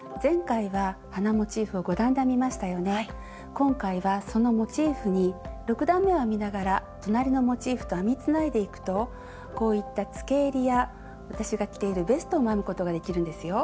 今回はそのモチーフに６段めを編みながら隣のモチーフと編みつないでいくとこういったつけえりや私が着ているベストも編むことができるんですよ。